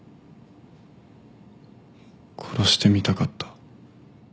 殺してみたかった。